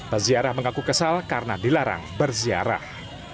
peziarah mengaku kesal karena dilarang berziarah